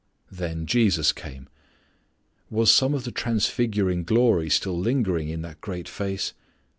Then Jesus came. Was some of the transfiguring glory still lingering in that great face?